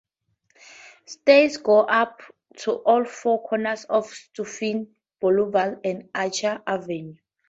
Stairs go up to all four corners of Sutphin Boulevard and Archer Avenue.